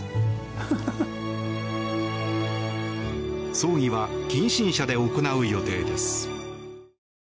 葬儀は近親者で行う予定です。